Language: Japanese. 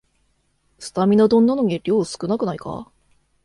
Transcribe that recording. スタミナ丼なのに量少なくないか